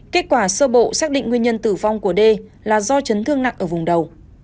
kết quả sơ bộ xác định nguyên nhân tử vong của d là do chấn thương nặng ở vùng đầu